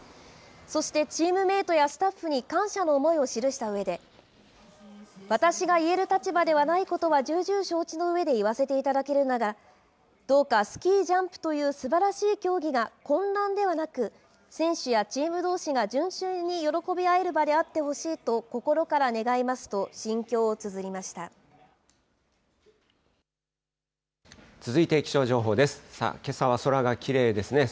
そしてチームメートやスタッフに感謝の思いを記したうえで、私が言える立場ではないことは重々承知のうえで言わせていただけるなら、どうかスキージャンプというすばらしい競技が、混乱ではなく、選手やチームどうしが純粋に喜び合える場であってほしいと、心から願いますと、心境をつづりまし続いて気象情報です。